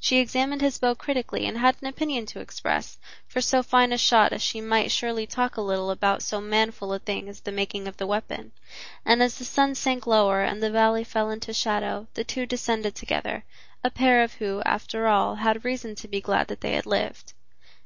She examined his bow critically and had an opinion to express, for so fine a shot as she might surely talk a little about so manful a thing as the making of the weapon. And as the sun sank lower and the valley fell into shadow, the two descended together, a pair who, after all, had reason to be glad that they had lived.